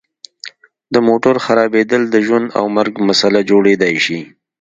د موټر خرابیدل د ژوند او مرګ مسله جوړیدای شي